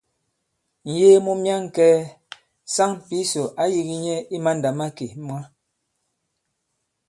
Ŋ̀yee mu myaŋkɛ̄ɛ̄, saŋ Pǐsò ǎ yīgī nyɛ i mandàmakè mwǎ.